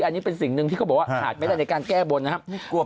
อันนี้เป็นสิ่งหนึ่งที่เขาบอกว่าขาดไม่ได้ในการแก้บนนะครับ